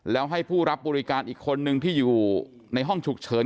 แล้วให้ผู้รับบริการอีกคนนึงที่อยู่ในห้องฉุกเฉิน